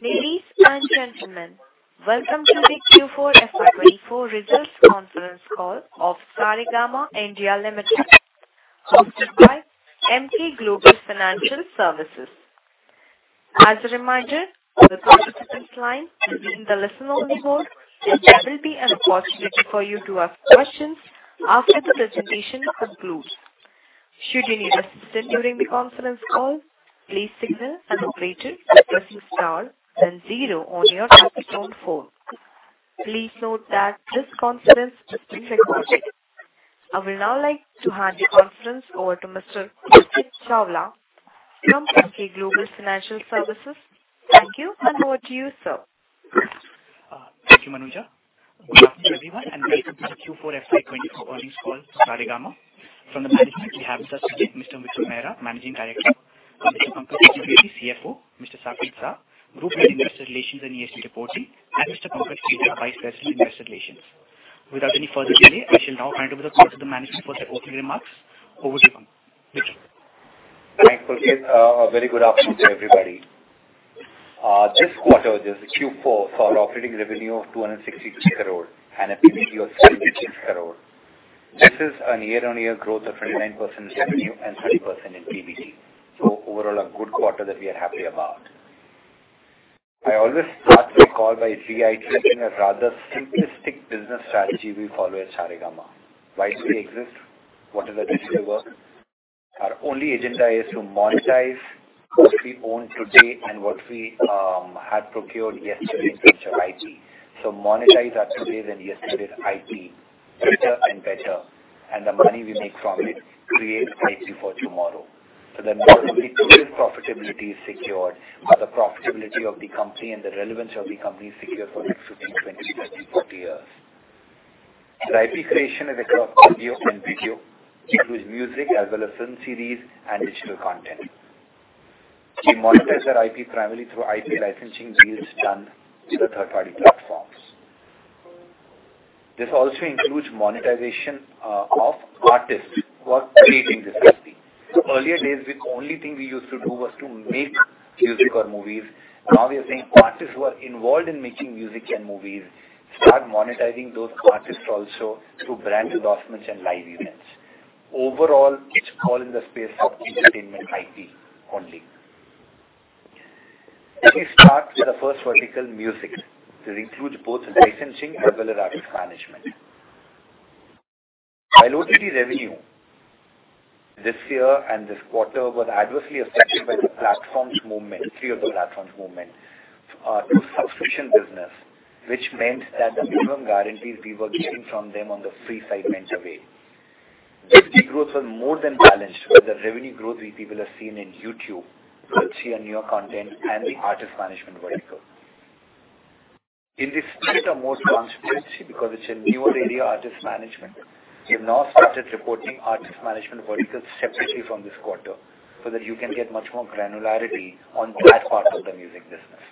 Ladies and gentlemen, welcome to the Q4 FY 2024 results conference call of Saregama India Limited, hosted by Emkay Global Financial Services. As a reminder, on the participant line, you will be in the listen-only mode, and there will be an opportunity for you to ask questions after the presentation concludes. Should you need assistance during the conference call, please signal an operator by pressing star then zero on your telephone phone. Please note that this conference is being recorded. I will now like to hand the conference over to Mr. Pulkit Chawla from Emkay Global Financial Services. Thank you, and over to you, sir. Thank you, Manuja. Good afternoon, everyone, and welcome to the Q4 FY 2024 earnings call for Saregama. From the management, we have Mr. Vikram Mehra, Managing Director, Mr. Pankaj Chaturvedi, CFO, Mr. Saket Shah, Group Head, Investor Relations and ESG Reporting, and Mr. Pankaj Kedia, Vice President, Investor Relations. Without any further delay, I shall now hand over the call to the management for their opening remarks. Over to you, Vikram. Thank you, Pulkit. A very good afternoon to everybody. This quarter, this is Q4, saw operating revenue of 262 crore and a PBT of 66 crore. This is a year-on-year growth of 29% in revenue and 30% in PBT. So overall, a good quarter that we are happy about. I always start the call by reiterating a rather simplistic business strategy we follow at Saregama. Why do we exist? What is our digital work? Our only agenda is to monetize what we own today and what we had procured yesterday's IP. So monetize our today's and yesterday's IP better and better, and the money we make from it creates IP for tomorrow. So not only today's profitability is secured, but the profitability of the company and the relevance of the company is secured for next 15, 20, 30, 40 years. The IP creation is across audio and video, includes music as well as film series and digital content. We monetize our IP primarily through IP licensing deals done with the third-party platforms. This also includes monetization of artists who are creating this IP. So earlier days, the only thing we used to do was to make music or movies. Now we are saying artists who are involved in making music and movies start monetizing those artists also through brand endorsements and live events. Overall, it's all in the space of entertainment IP only. Let me start with the first vertical, music. This includes both licensing as well as artist management. Our OTT revenue this year and this quarter was adversely affected by the platform's movement, three of the platforms movement, to subscription business, which meant that the minimum guarantees we were getting from them on the free side went away. This growth was more than balanced with the revenue growth we people have seen in YouTube, with newer content and the artist management vertical. In the spirit of more transparency, because it's a newer area, artist management, we have now started reporting artist management vertical separately from this quarter, so that you can get much more granularity on that part of the music business.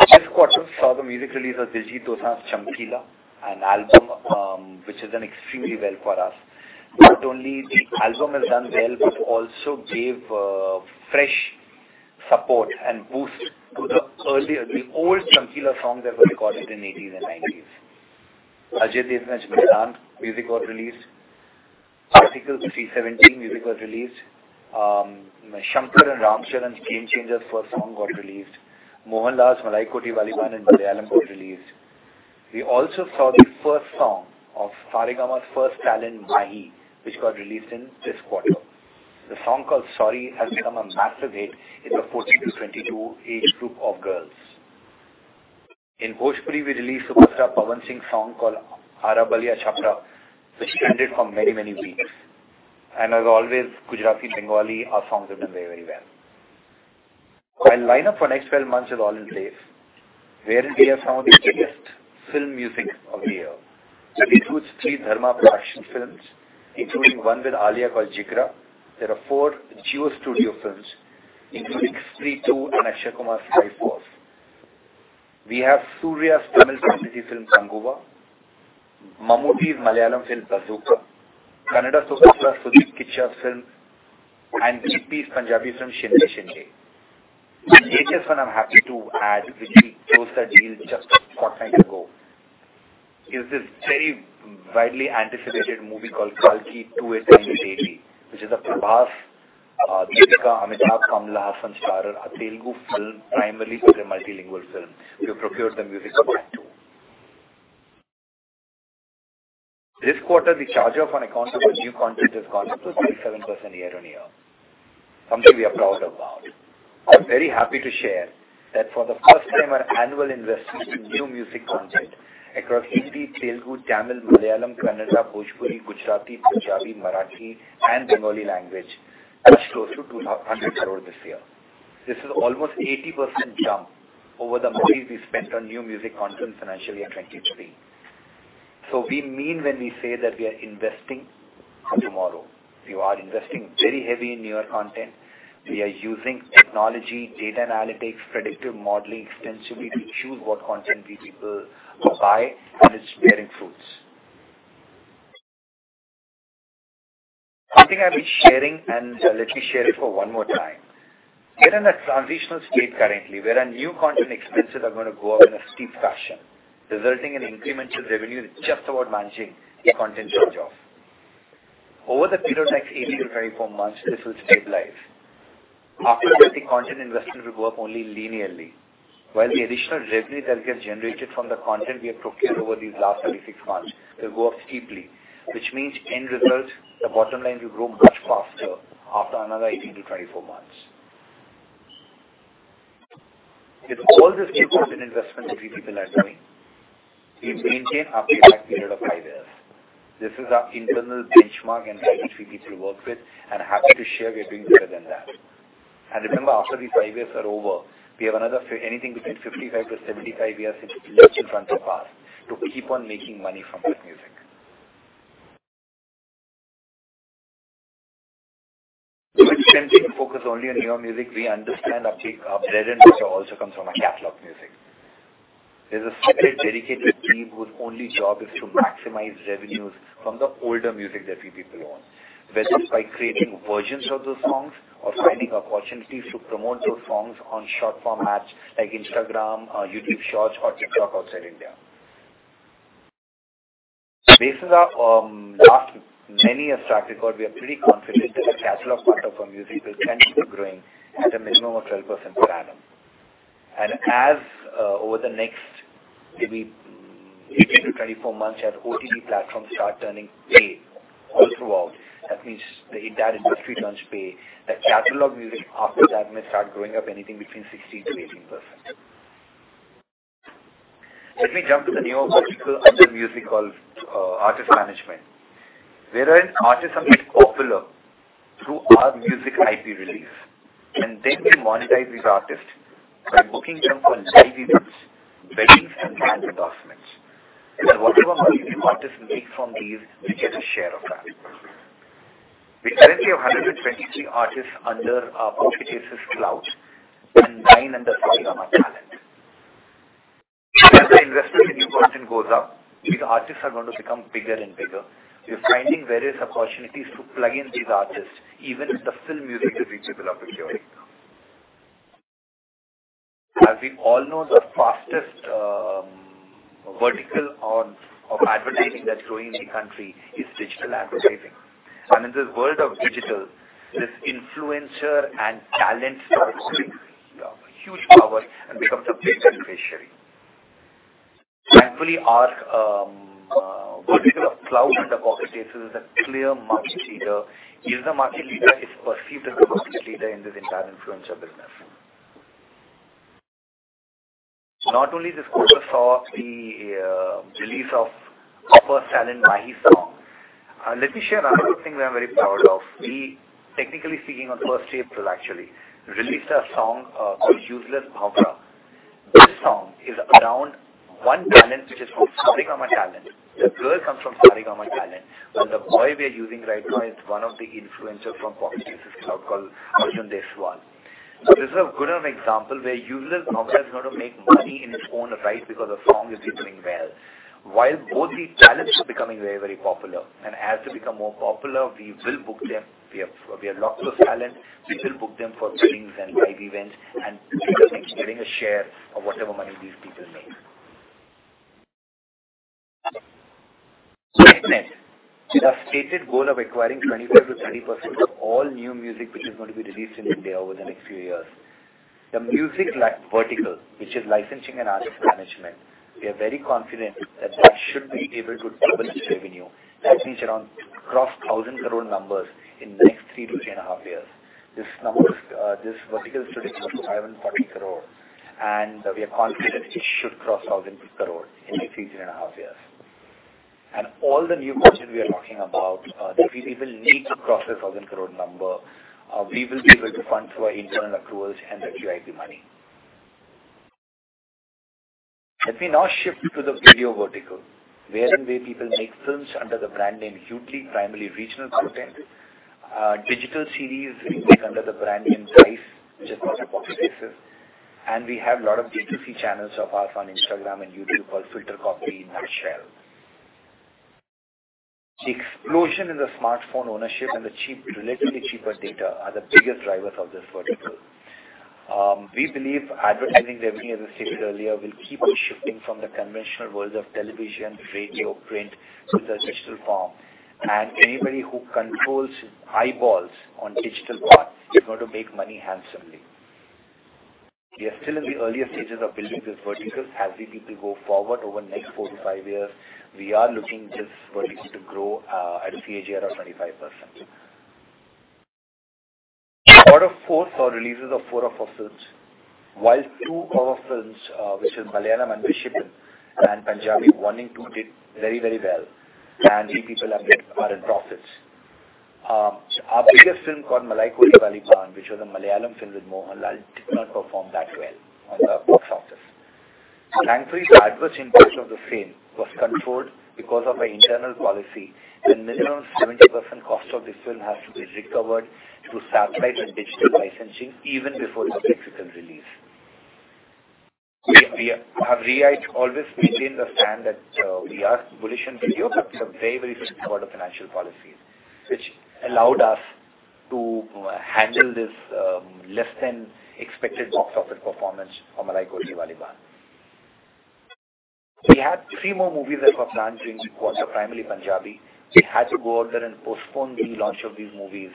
This quarter saw the music release of Diljit Dosanjh's Chamkila, an album, which has done extremely well for us. Not only the album has done well, but also gave fresh support and boost to the earlier, the old Chamkila songs that were recorded in 1980s and 1990s. Ajay Devgn's Maidaan music got released. Article 370 music was released. Shantanu and Ram Charan's Game Changer first song got released. Mohanlal's Malaikottai Vaaliban in Malayalam got released. We also saw the first song of Saregama's first talent, Mahi, which got released in this quarter. The song called Sorry has become a massive hit in the 14-22 age group of girls. In Bhojpuri, we released superstar Pawan Singh's song called Aara Baliya Chapra, which trended for many, many weeks. And as always, Gujarati, Bengali, our songs have done very, very well. Our lineup for next 12 months is all in place, wherein we have some of the biggest film music of the year. This includes three Dharma Productions films, including one with Alia called Jigra. There are four Jio Studios films, including Stree 2 and Akshay Kumar's Sky Force. We have Suriya's Tamil comedy film, Kanguva; Mammootty's Malayalam film, Bazooka; Kannada superstar Kiccha Sudeep's film, and Gippy's Punjabi film, Shinda Shinda No Papa. And the eighth one I'm happy to add, which we closed the deal just a short time ago, is this very widely anticipated movie called Kalki 2898 AD, which is a Prabhas, Deepika, Amitabh, Kamal Haasan starrer, a Telugu film, primarily it's a multilingual film. We have procured the music rights, too. This quarter, the charge-off on account of our new content has gone up to 37% year-on-year, something we are proud about. I'm very happy to share that for the first time, our annual investments in new music content across Hindi, Telugu, Tamil, Malayalam, Kannada, Bhojpuri, Gujarati, Punjabi, Marathi, and Bengali language, are close to 200 crore this year. This is almost 80% jump over the money we spent on new music content in financial year 2023. So we mean when we say that we are investing for tomorrow. We are investing very heavy in newer content. We are using technology, data analytics, predictive modeling extensively to choose what content we people will buy, and it's bearing fruits. I think I've been sharing, and let me share it for one more time. We're in a transitional state currently, where our new content expenses are going to go up in a steep fashion, resulting in incremental revenue just about managing the content charge-off. Over the period of next 18-24 months, this will stabilize. After that, the content investment will go up only linearly, while the additional revenue that will get generated from the content we have procured over these last 36 months will go up steeply, which means end result, the bottom line will grow much faster after another 18-24 months. With all this content investment that we people are doing, we maintain a payback period of 5 years. This is our internal benchmark and VPK to work with, and happy to share we are doing better than that. And remember, after these 5 years are over, we have another fi- anything between 55-75 years in front of us to keep on making money from this music. So we're focusing focus only on new music. We understand our bread and butter also comes from our catalog music. There's a separate dedicated team whose only job is to maximize revenues from the older music that we own, whether it's by creating versions of those songs or finding opportunities to promote those songs on short-form apps like Instagram, YouTube Shorts, or TikTok outside India. Based on our last many years track record, we are pretty confident that the catalog part of our music will continue growing at a minimum of 12% per annum. As over the next maybe 18-24 months, as OTT platforms start turning paywall throughout, that means the entire industry turns pay, the catalog music after that may start going up anything between 16%-18%. Let me jump to the new vertical under music called artist management, wherein artists are made popular through our music IP release, and then we monetize these artists by booking them for live events, beliefs, and brand endorsements. Whatever money the artist makes from these, we get a share of that. We currently have 123 artists under our Pocket Aces clout and nine under Saregama Talent. As the investment in new content goes up, these artists are going to become bigger and bigger. We are finding various opportunities to plug in these artists, even in the film music that we people are procuring. As we all know, the fastest vertical of advertising that's growing in the country is digital advertising. In this world of digital, this influencer and talent has a huge power in terms of reach and share. Thankfully, our vertical of clout under Pocket Aces is a clear market leader. Is the market leader, is perceived as the market leader in this entire influencer business. Not only this quarter saw the release of our first talent, Mahi song. Let me share another good thing that I'm very proud of. We, technically speaking, on first April, actually, released a song called Useless. This song is around one talent, which is from Saregama Talent. The girl comes from Saregama Talent, and the boy we are using right now is one of the influencers from Pocket Aces clout called Arjun Deswal. So this is a good example where Useless is going to make money in its own right because the song is doing well, while both these talents are becoming very, very popular. As they become more popular, we will book them. We have, we have lots of talent. We will book them for films and live events, and we will be getting a share of whatever money these people make. Next, the stated goal of acquiring 25%-30% of all new music, which is going to be released in India over the next few years. The music licensing vertical, which is licensing and artist management, we are very confident that that should be able to double its revenue, that means around, cross 1,000 crore numbers in the next 3 years-3.5 years. This number, this vertical today is 540 crore, and we are confident it should cross 1,000 crore in the next 3 years-3.5 years. All the new budget we are talking about, that we people need to cross the 1,000 crore number, we will be able to fund through our internal accruals and the VIP money. Let me now shift to the video vertical, wherein we people make films under the brand name Yoodlee, primarily regional content. Digital series we make under the brand name Life, which is part of Pocket Aces, and we have a lot of D2C channels of ours on Instagram and YouTube called FilterCopy and Nutshell. The explosion in the smartphone ownership and the cheap, relatively cheaper data are the biggest drivers of this vertical. We believe advertising revenue, as I stated earlier, will keep on shifting from the conventional world of television, radio, print, to the digital form. And anybody who controls eyeballs on digital part is going to make money handsomely. We are still in the earlier stages of building this vertical. As we people go forward over the next 4-5 years, we are looking this vertical to grow at a CAGR of 25%. Out of four or so releases of four of our films, while two of our films, which is Malayalam and Bhojpuri, and Punjabi, one or two did very, very well, and we people have made—are in profits. Our biggest film called Malaikottai Vaaliban, which was a Malayalam film with Mohanlal, did not perform that well on the box office. Thankfully, the adverse impact of the film was controlled because of our internal policy, when minimum 70% cost of this film has to be recovered through satellite and digital licensing even before the theatrical release. We have, I always maintain the stand that we are bullish in video, but we have a very, very strong orderly financial policies, which allowed us to handle this less than expected box office performance from Malaikottai Vaaliban. We had three more movies that were planned in quarter, primarily Punjabi. We had to go out there and postpone the launch of these movies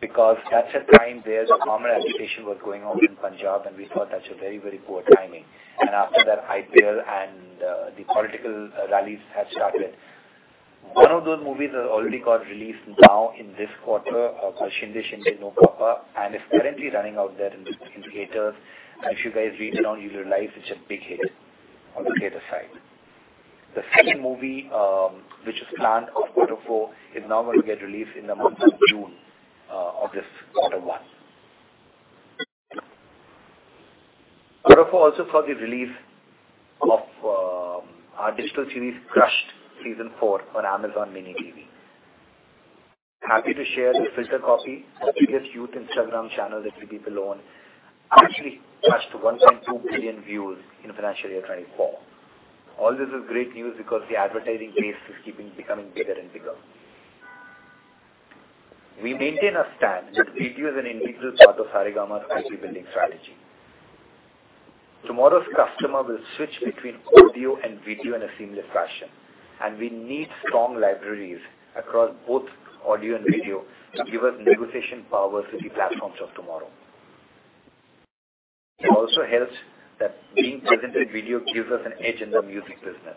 because that's a time where farmer agitation was going on in Punjab, and we thought that's a very, very poor timing. And after that, IPL and the political rallies had started. One of those movies has already got released now in this quarter, of Shinda Shinda No Papa, and it's currently running out there in theaters. And if you guys read it on, you'll realize it's a big hit on the theater side. The second movie, which is planned for quarter four, is now going to get released in the month of June, of this quarter one. Quarter four also saw the release of, our digital series, Crushed Season 4 on Amazon MiniTV. Happy to share the FilterCopy, the biggest youth Instagram channel that we people own, actually touched 1.2 billion views in financial year 2024. All this is great news because the advertising base is keeping becoming bigger and bigger. We maintain our stand that video is an integral part of Saregama's IP building strategy. Tomorrow's customer will switch between audio and video in a seamless fashion, and we need strong libraries across both audio and video to give us negotiation powers with the platforms of tomorrow. It also helps that being present in video gives us an edge in the music business.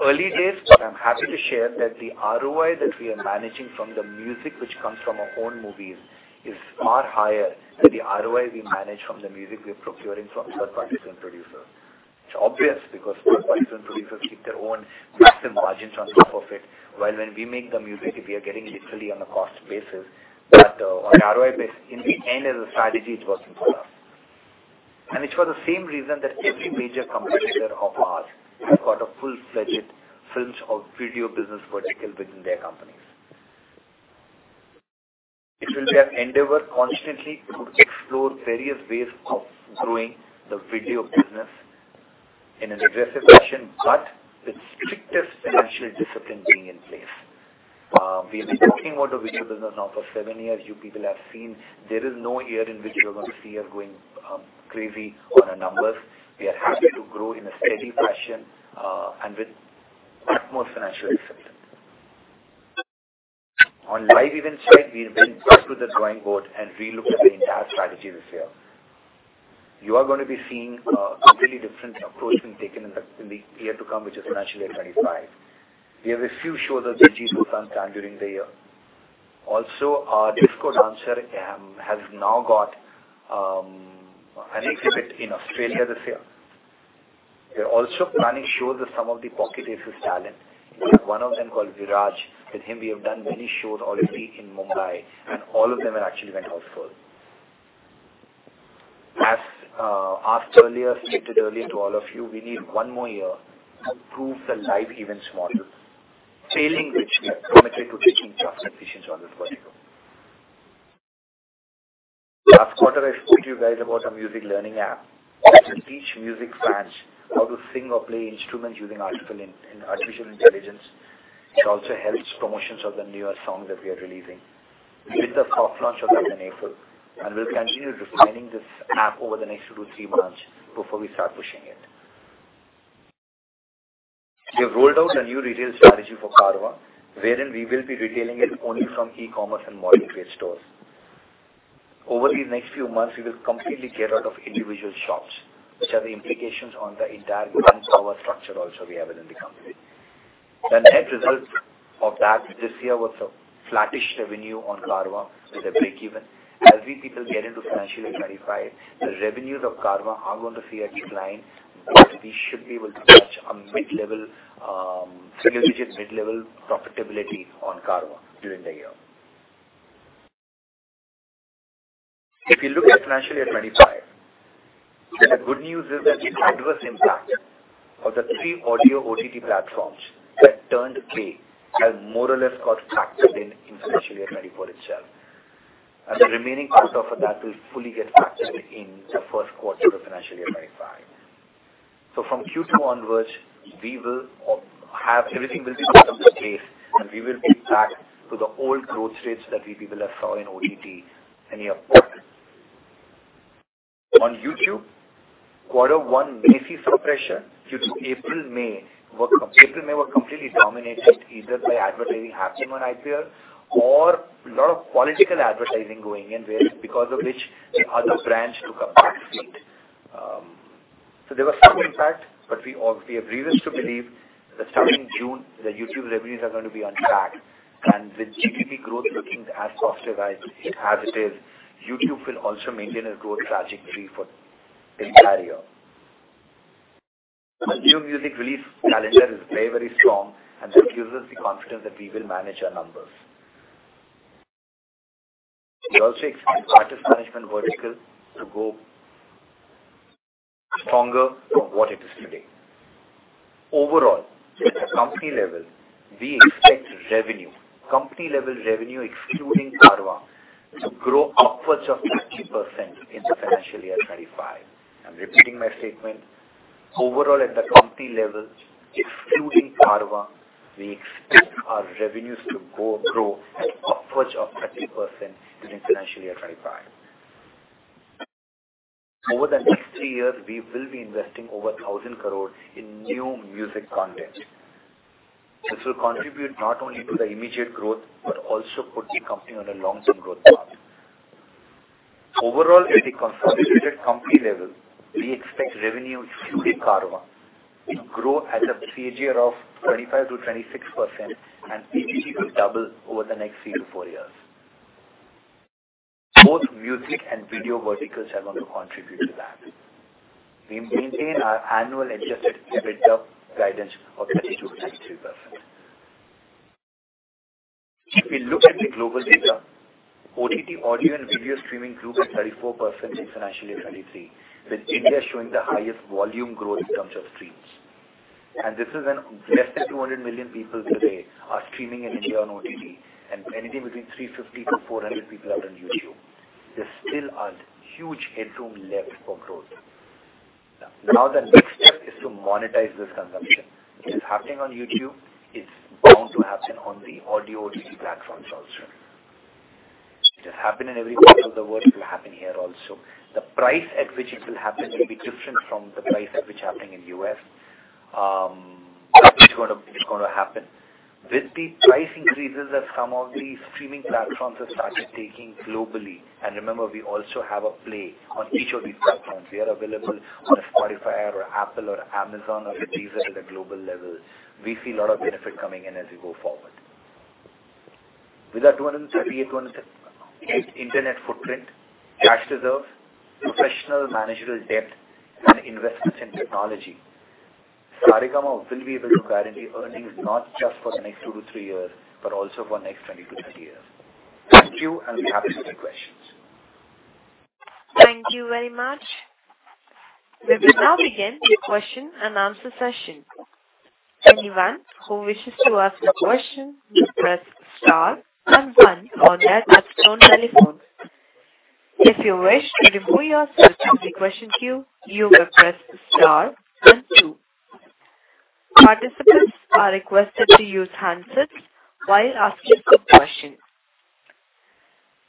Early days, but I'm happy to share that the ROI that we are managing from the music, which comes from our own movies, is far higher than the ROI we manage from the music we are procuring from third-party film producers. It's obvious because third-party film producers keep their own massive margins on top of it, while when we make the music, we are getting literally on a cost basis, but on ROI base, in the end, as a strategy, it's working for us. And it's for the same reason that every major competitor of ours has got a full-fledged films or video business vertical within their companies. It will be our endeavor constantly to explore various ways of growing the video business in an aggressive fashion, but with strictest financial discipline being in place. We've been building out the video business now for seven years. You people have seen there is no year in which you're going to see us going crazy on our numbers. We are happy to grow in a steady fashion and with utmost financial acceptance. On live event side, we've been back to the drawing board and relooked at the entire strategy this year. You are going to be seeing a completely different approach being taken in the year to come, which is financially at 25. We have a few shows that are due to run time during the year. Also, our Disco Dancer has now got an exhibit in Australia this year. We are also planning shows of some of the Pocket Aces talent. One of them called Viraj. With him, we have done many shows already in Mumbai, and all of them are actually went housefull. As asked earlier, stated earlier to all of you, we need 1 more year to prove the live event model, failing which geometric progression just efficient on this vertical. Last quarter, I spoke to you guys about a music learning app that will teach music fans how to sing or play instruments using artificial intelligence. It also helps promotions of the newer songs that we are releasing. We did the soft launch of it in April, and we'll continue refining this app over the next 2-3 months before we start pushing it. We have rolled out a new retail strategy for Carvaan, wherein we will be retailing it only from e-commerce and modern trade stores. Over these next few months, we will completely get rid of individual shops, which have implications on the entire branch power structure also we have it in the company. The net result of that this year was a flattish revenue on Carvaan with a breakeven. As we people get into financially verified, the revenues of Carvaan are going to see a decline, but we should be able to touch a mid-level single digit, mid-level profitability on Carvaan during the year. If you look at FY 2025, then the good news is that the adverse impact of the three audio OTT platforms that turned gray has more or less got factored in in FY 2024 itself, and the remaining cost of that will fully get factored in the first quarter of financial year 2025. So from Q2 onwards, we will have... Everything will be above the case, and we will be back to the old growth rates that we people have saw in OTT in the upward. On YouTube, quarter one may see some pressure due to April, May. April, May were completely dominated either by advertising happening on IPL or a lot of political advertising going in, where, because of which the other brands took a back seat. So there was some impact, but we are reasoned to believe that starting June, the YouTube revenues are going to be unpacked, and with GDP growth looking as softer as it is, YouTube will also maintain its growth trajectory for the entire year. The new music release calendar is very, very strong, and that gives us the confidence that we will manage our numbers. We also expect artist management vertical to go stronger from what it is today. Overall, at the company level, we expect revenue, company level revenue excluding Carvaan, to grow upwards of 30% in the financial year 2025. I'm repeating my statement. Overall, at the company level, excluding Carvaan, we expect our revenues to go, grow at upwards of 30% during financial year 2025. Over the next three years, we will be investing over 1,000 crore in new music content. This will contribute not only to the immediate growth, but also put the company on a long-term growth path. Overall, at the consolidated company level, we expect revenue excluding Carvaan, to grow at a CAGR of 25%-26% and PPG to double over the next 3-4 years. Both music and video verticals are going to contribute to that. We maintain our annual adjusted EBITDA guidance of 22%-23%. If we look at the global data, OTT audio and video streaming grew by 34% in financial year 2023, with India showing the highest volume growth in terms of streams. And this is when less than 200 million people today are streaming in India on OTT, and anything between 350-400 people are on YouTube. There's still a huge headroom left for growth. Now, the next step is to monetize this consumption. It's happening on YouTube. It's bound to happen on the audio OTT platforms also. It has happened in every part of the world, it will happen here also. The price at which it will happen will be different from the price at which happening in U.S. It's gonna happen. With the price increases that some of the streaming platforms have started taking globally, and remember, we also have a play on each of these platforms. We are available on Spotify or Apple or Amazon or JioSaavn at a global level. We see a lot of benefit coming in as we go forward. With our 238,000 internet footprint, cash reserves, professional managerial depth, and investments in technology, Saregama will be able to guarantee earnings, not just for the next 2-3 years, but also for next 20-30 years. Thank you, and we're happy to take questions. Thank you very much. We will now begin the question and answer session. Anyone who wishes to ask a question, press star and one on their touchtone telephone. If you wish to remove yourself from the question queue, you may press star and two. Participants are requested to use handsets while asking questions.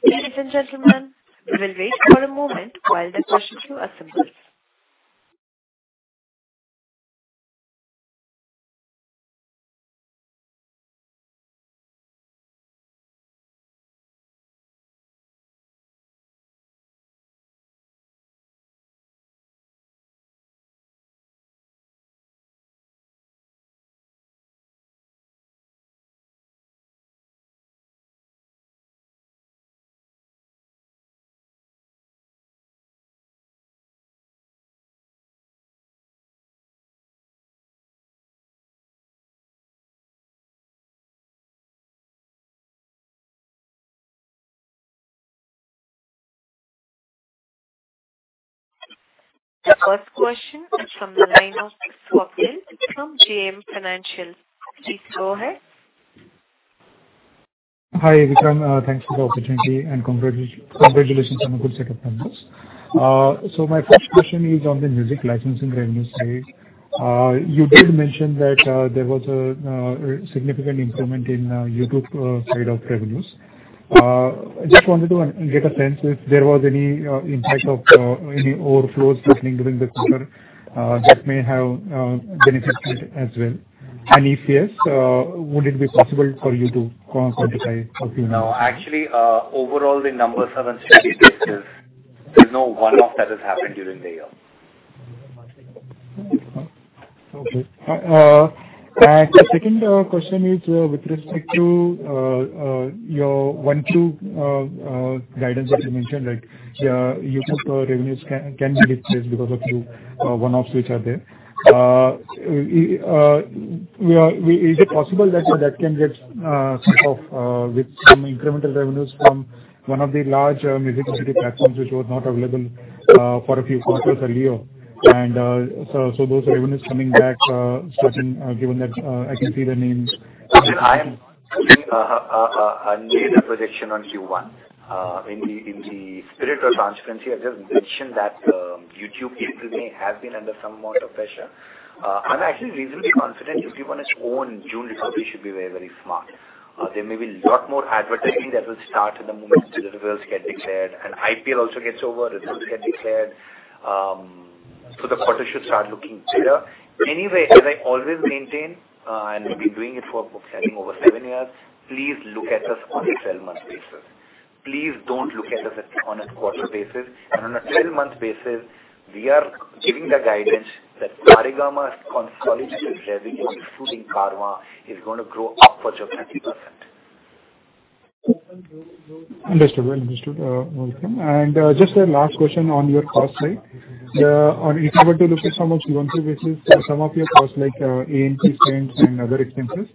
Ladies and gentlemen, we will wait for a moment while the question queue assembles. The first question is from the line of Swapnil, from JM Financial. Please go ahead. Hi, Vikram, thanks for the opportunity and congratulations on a good set of numbers. So my first question is on the music licensing revenue side. You did mention that there was a significant improvement in the YouTube side of revenues. I just wanted to get a sense if there was any impact of any overflows happening during the quarter that may have benefited as well. And if yes, would it be possible for you to quantify a few numbers? No, actually, overall, the numbers are on steady state. There's no one-off that has happened during the year. Okay. And the second question is, with respect to your Q2 guidance that you mentioned, that YouTube revenues can be replaced because of few one-offs which are there. Is it possible that that can get sort of with some incremental revenues from one of the large music streaming platforms, which was not available for a few quarters earlier? And so those revenues coming back certain, given that I can see the names. I am putting up a near-term projection on Q1. In the spirit of transparency, I just mentioned that YouTube people may have been under some amount of pressure. I'm actually reasonably confident if Q1 is down, June quarter should be very, very strong. There may be a lot more advertising that will start in the moment results get declared, and IPL also gets over, results get declared. So the quarter should start looking better. Anyway, as I always maintain, and we've been doing it for I think over seven years, please look at us on a 12-month basis. Please don't look at us on a quarter basis. On a 12-month basis, we are giving the guidance that Saregama's consolidated revenue, excluding Carvaan, is going to grow upwards of 30%. Understood. Well understood, welcome. And just a last question on your cost side. On if you were to look at how much you want to basis some of your costs like agency spends and other expenses,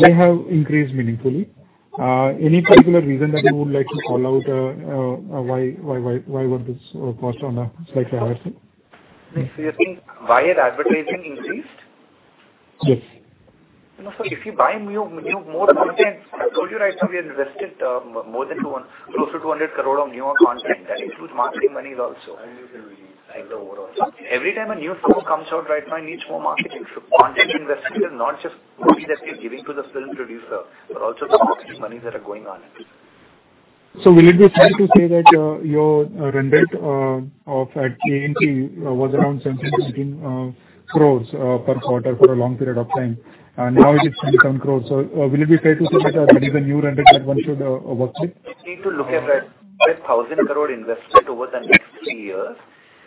they have increased meaningfully. Any particular reason that you would like to call out why this cost was on a slightly higher side? Next, do you think buyer advertising increased? Yes. No, sir, if you buy new, new, more content, I told you right now, we have invested more than 200, close to 200 crore on newer content. That includes marketing monies also. You can read the overall. Every time a new film comes out right now, it needs more marketing. So content investment is not just money that we're giving to the film producer, but also the marketing monies that are going on it. So will it be fair to say that, your run rate of IP was around 17 crore-18 crore per quarter for a long period of time, and now it is 27 crore? So, will it be fair to say that, it is a new run rate that one should work with? You need to look at that 5,000 crore investment over the next three years.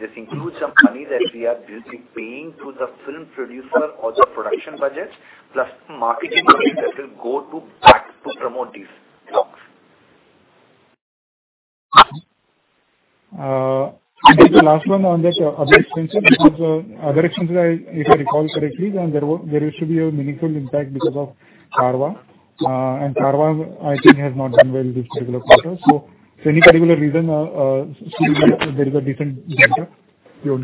This includes some money that we are basically paying to the film producer or the production budget, plus marketing money that will go to back to promote these films. And then the last one on just other expenses, because other expenses, if I recall correctly, there was, there used to be a meaningful impact because of Carvaan. And Carvaan, I think, has not done well this particular quarter. So any particular reason, there is a different factor here?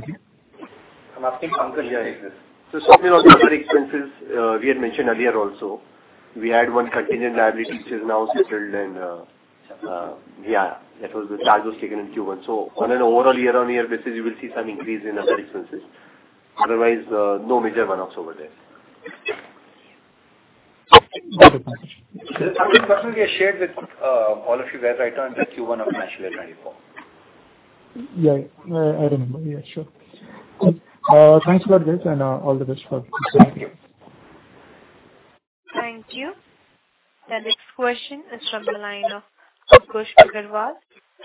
I'm asking Ankur. Yeah, exactly. So something on the other expenses, we had mentioned earlier also. We had one contingent liability which is now settled, and, yeah, that was the charge was taken in Q1. So on an overall year-on-year basis, you will see some increase in other expenses. Otherwise, no major one-offs over there. Okay, thank you. Some of the questions we had shared with all of you earlier in the Q1 of financial year 24. Yeah. I remember. Yeah, sure. Thanks for this and, all the best for it. Thank you. Thank you. The next question is from the line of Kshitij Agarwal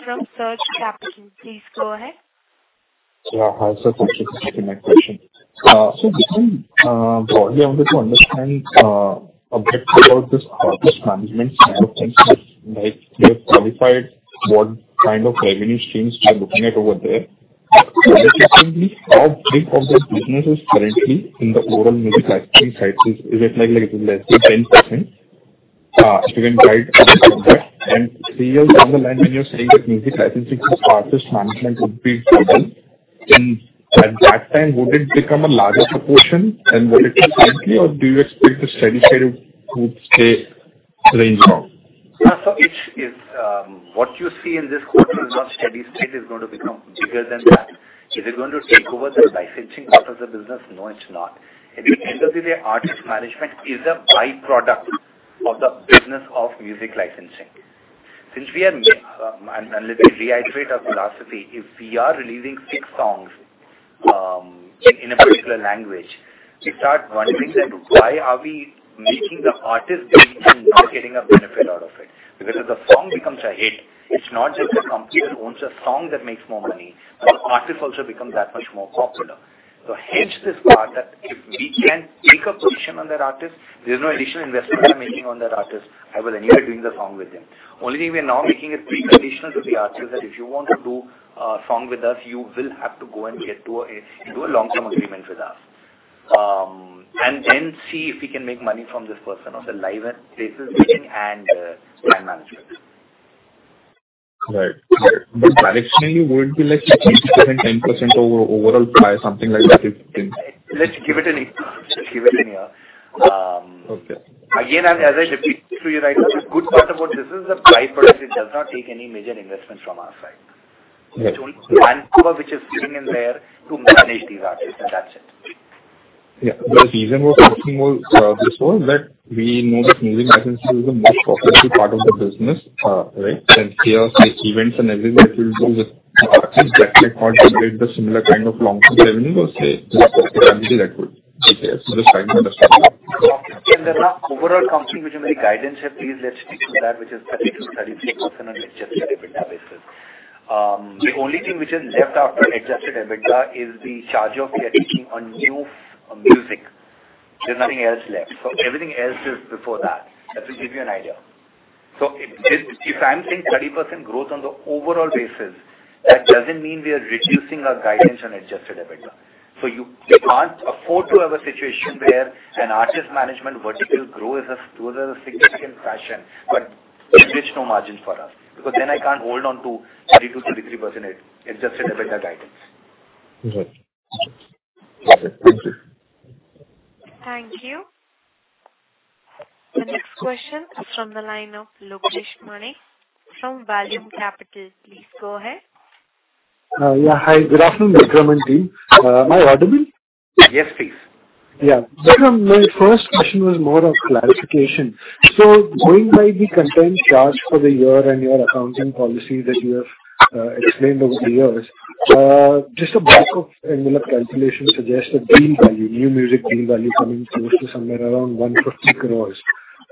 from Surge Capital. Please go ahead. Yeah, hi, sir. Thanks for taking my question. So just broadly, I wanted to understand a bit about this artist management side of things. Like, you have qualified what kind of revenue streams you're looking at over there. How big of the business is currently in the overall music licensing side? Is it like, let's say, 10%? If you can guide on that. And three years down the line, when you're saying that music licensing is artist management would be stable, then at that time, would it become a larger proportion than what it is currently, or do you expect the steady state to stay range from? Yeah, so it's what you see in this quarter is not steady state, is going to become bigger than that. Is it going to take over the licensing part of the business? No, it's not. At the end of the day, artist management is a by-product of the business of music licensing. Since we are managing, and let me reiterate our philosophy, if we are releasing six songs in a particular language, we start wondering that why are we building the artist and not getting a benefit out of it? Because if the song becomes a hit, it's not just the company that owns the song that makes more money, but the artist also becomes that much more popular. So hence, this part that if we can take a position on that artist, there's no additional investment I'm making on that artist. I will anyway doing the song with him. Only thing we are now making it pre-conditional to the artist that if you want to do a song with us, you will have to go and get into a long-term agreement with us. And then see if we can make money from this person on the live events and management. Right. Right. But directionally, would it be like 50%, 10% over-overall pie, something like that? Let's give it. Give it in a, Okay. Again, as I repeated to you right now, the good part about this is the by-product. It does not take any major investment from our side. Right. Which only manpower, which is sitting in there to manage these artists, and that's it. Yeah. The reason we're asking more, this was that we know that music licensing is the most profitable part of the business, right? And here, the events and everything that will go with the artist that may not generate the similar kind of long-term revenue or say, just possibly that good. Okay? Just trying to understand. Okay. In the overall company, which is my guidance, please let's stick to that, which is 30%-33% on adjusted EBITDA basis. The only thing which is left after adjusted EBITDA is the charge-off we are taking on new music. There's nothing else left. So everything else is before that. That will give you an idea. So if, if I'm saying 30% growth on the overall basis, that doesn't mean we are reducing our guidance on adjusted EBITDA. So you can't afford to have a situation where an artist management vertical grow as a, grow as a significant fashion, but which no margin for us, because then I can't hold on to 30%-33% adjusted EBITDA guidance. Right. Thank you. The next question is from the line of Lokesh Manik from Vallum Capital. Please go ahead. Yeah. Hi, good afternoon, Vikram and team. Am I audible? Yes, please. Yeah. Vikram, my first question was more of clarification. So going by the contained charge for the year and your accounting policy that you have explained over the years, just a back of envelope calculation suggests a deal value, new music deal value, coming close to somewhere around 150 crore.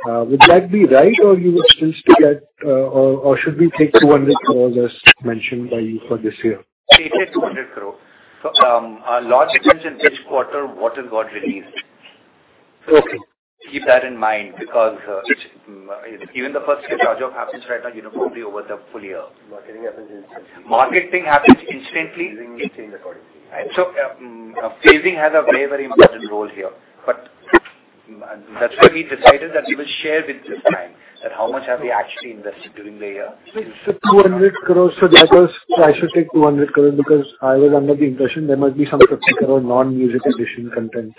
Would that be right, or you would still stick at, or, or should we take 200 crore as mentioned by you for this year? Take it 200 crore. A large change in which quarter? What has got released. Okay. Keep that in mind, because even the first charge-off happens right now, uniformly over the full year. Marketing happens instantly. Marketing happens instantly. Phasing change accordingly. So, phasing has a very, very important role here, but-... And that's why we decided that we will share with this time, that how much have we actually invested during the year? So 200 crore, so that was, I should say 200 crore, because I was under the impression there might be some 50 crore non-music addition content,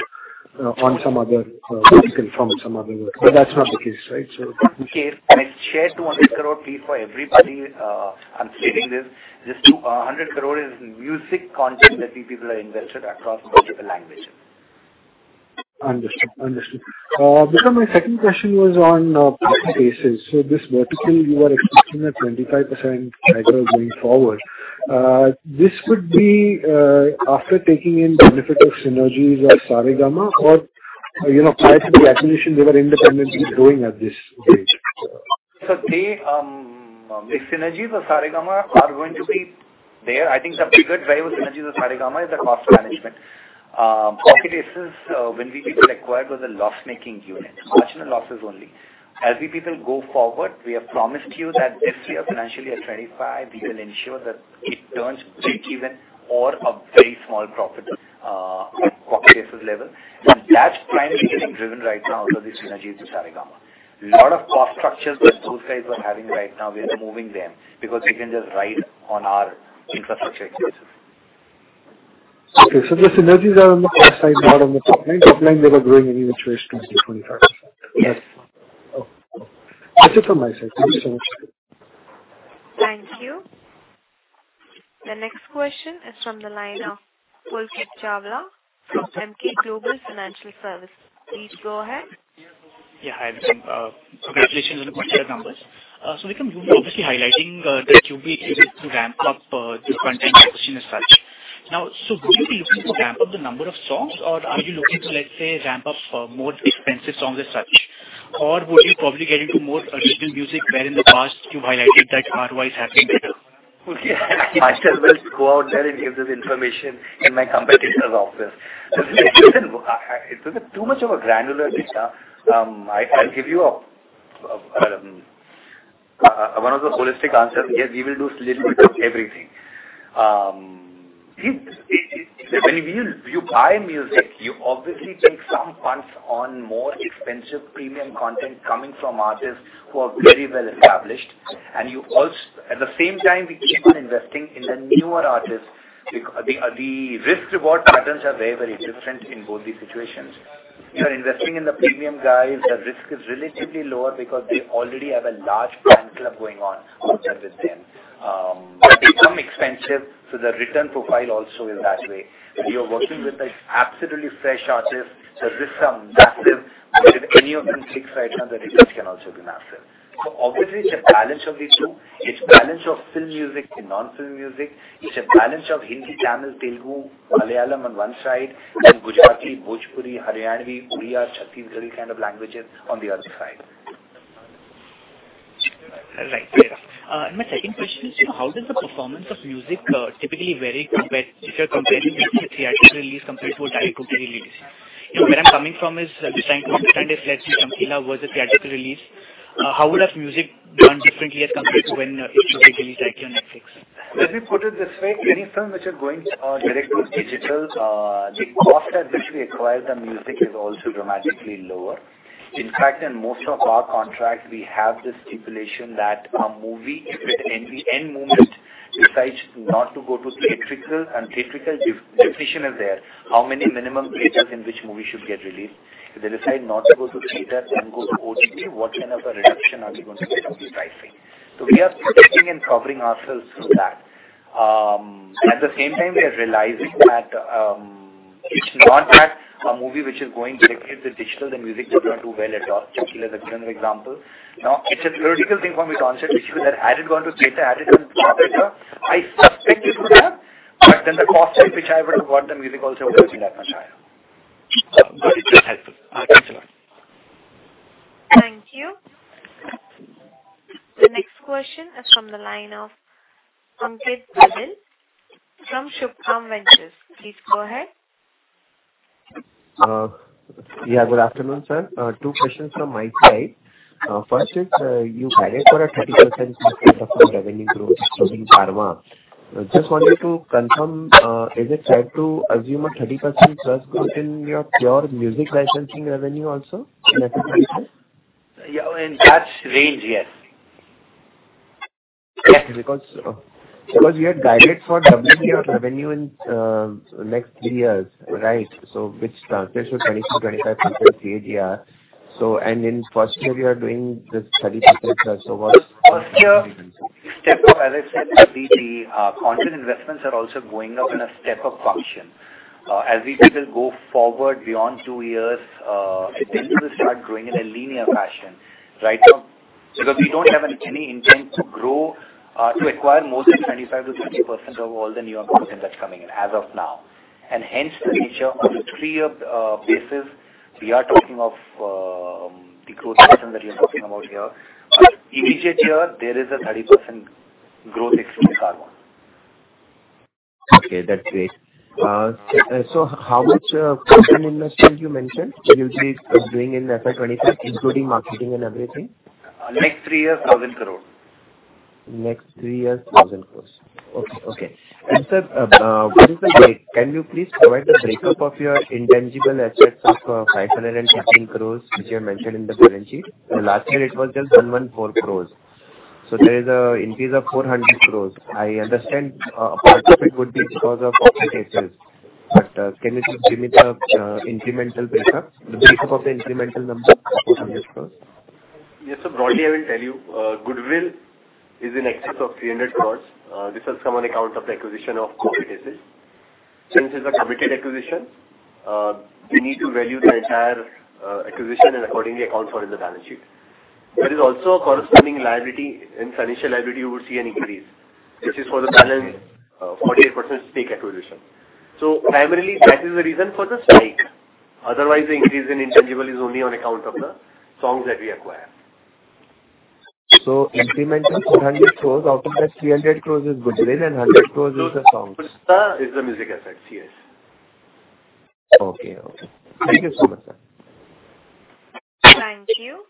on some other, from some other work, but that's not the case, right? So- Okay, I share 200 crore fee for everybody. I'm stating this, this 200 crore is music content that we people have invested across multiple languages. Understood. Understood. Because my second question was on Pocket Aces. So this vertical, you are expecting a 25% going forward. This could be after taking in benefit of synergies of Saregama or, you know, prior to the acquisition, they were independently growing at this stage. So the synergies of Saregama are going to be there. I think the bigger driver of synergies of Saregama is the cost management. Pocket Aces, when we acquired, was a loss-making unit, marginal losses only. As we go forward, we have promised you that this year, financially, at 25, we will ensure that it turns breakeven or a very small profit at Pocket Aces level. And that's primarily getting driven right now because of the synergies with Saregama. A lot of cost structures that those guys are having right now, we are removing them because they can just ride on our infrastructure expenses. Okay, so the synergies are on the cost side, not on the top line. Top line, they were growing anyway between 22-25. Yes. Okay. That's it from my side. Thank you so much. Thank you. The next question is from the line of Pulkit Chawla from Emkay Global Financial Services. Please go ahead. Yeah, hi, Vikram. Congratulations on the quarter numbers. So Vikram, you were obviously highlighting that you'll be able to ramp up the content acquisition as such. Now, so would you be looking to ramp up the number of songs, or are you looking to, let's say, ramp up more expensive songs as such? Or would you probably get into more original music, where in the past you've highlighted that ROI is happening better? I might as well go out there and give this information in my competitor's office. This is too much of a granular data. I'll give you one of the holistic answers. Yes, we will do little bit of everything. When you buy music, you obviously take some funds on more expensive premium content coming from artists who are very well established. And you also... At the same time, we keep on investing in the newer artists. The risk reward patterns are very, very different in both these situations. You are investing in the premium guys, the risk is relatively lower because they already have a large fan club going on, outside with them. They become expensive, so the return profile also is that way. When you're working with an absolutely fresh artist, the risks are massive, but if any of them clicks right now, the results can also be massive. Obviously, it's a balance of the two. It's balance of film, music and non-film music. It's a balance of Hindi, Tamil, Telugu, Malayalam on one side, and Gujarati, Bhojpuri, Haryanvi, Oriya, Chhattisgarhi kind of languages on the other side. Right. My second question is, you know, how does the performance of music typically vary compared, if you're comparing between a theatrical release compared to a direct-to-home release? You know, where I'm coming from is just trying to understand if, let's say, Chamkila was a theatrical release, how would have music done differently as compared to when it was released directly on Netflix? Let me put it this way: any film which are going direct to digital, the cost at which we acquire the music is also dramatically lower. In fact, in most of our contracts, we have the stipulation that a movie, if at any end moment, decides not to go to theatrical, and theatrical definition is there, how many minimum theaters in which movie should get released. If they decide not to go to theater and go to OTT, what kind of a reduction are we going to get on the pricing? So we are protecting and covering ourselves through that. At the same time, we are realizing that, it's not that a movie which is going directly to digital, the music will not do well at all. Chamkila is a general example. Now, it's a theoretical thing from its onset issue, that had it gone to theater, had it gone to operator, I suspect it would have, but then the cost at which I would have got the music also wouldn't be that much higher. Okay. That's helpful. Thanks a lot. Thank you. The next question is from the line of Pulkit Aggarwal from Shubham Ventures. Please go ahead. Yeah, good afternoon, sir. Two questions from my side. First is, you guided for a 30% growth of your revenue growth in Saregama. Just wanted to confirm, is it fair to assume a 30%+ growth in your pure music licensing revenue also? Yeah, in that range, yes. Because, because we had guided for doubling your revenue in next three years, right? So which translates to 20%-25% CAGR. So, and in first year, we are doing this 30% or so what? First year, step up, as I said, the content investments are also going up in a step-up function. As we people go forward beyond two years, then we will start growing in a linear fashion. Right now, because we don't have any intent to grow, to acquire more than 25%-30% of all the new content that's coming in, as of now. And hence the nature, on a three-year basis, we are talking of the growth pattern that you're talking about here. Immediate year, there is a 30% growth into Saregama. Okay, that's great. So how much content investment you mentioned you'll be doing in FY 25, including marketing and everything? Next three years, 1,000 crore.... Next three years, 1,000 crore. Okay, okay. And sir, what is the breakup? Can you please provide the breakup of your intangible assets of 513 crore, which you have mentioned in the balance sheet? Last year, it was just 114 crore. So there is an increase of 400 crore. I understand, part of it would be because of acquisitions, but, can you just give me the incremental breakup, the breakup of the incremental number, INR 400 crore? Yes, sir. Broadly, I will tell you, goodwill is in excess of 300 crore. This has come on account of the acquisition of Pocket Aces. Since it's a committed acquisition, we need to value the entire acquisition and accordingly account for in the balance sheet. There is also a corresponding liability, in financial liability, you would see an increase, which is for the balance 48% stake acquisition. So primarily, that is the reason for the spike. Otherwise, the increase in intangible is only on account of the songs that we acquired. Incremental 400 crore, out of that 300 crore is goodwill and 100 crore is the song. The rest is the music assets, yes. Okay, okay. Thank you so much, sir. Thank you.